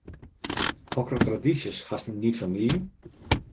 Hokker tradysjes hast yn dyn famylje?